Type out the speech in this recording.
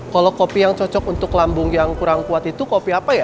kalau kopi yang cocok untuk lambung yang kurang kuat itu kopi apa ya